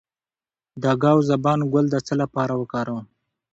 د ګاو زبان ګل د څه لپاره وکاروم؟